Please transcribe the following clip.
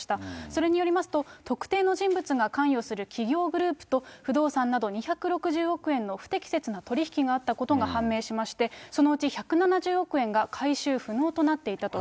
それによりますと、特定の人物が関与する企業グループと、不動産など２６０億円の不適切な取り引きがあったことが判明しまして、そのうち１７０億円が回収不能となっていたと。